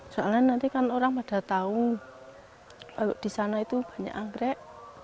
soalnya nanti kan orang pada tahu kalau di sana itu banyak anggrek